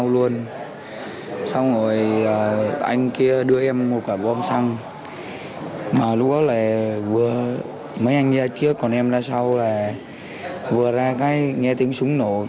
lúc đó là vừa mấy anh ra trước còn em ra sau là vừa ra cái nghe tiếng súng nổ